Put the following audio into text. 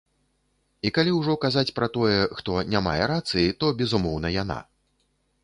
І калі ўжо казаць пра тое, хто не мае рацыі, то, безумоўна, яна.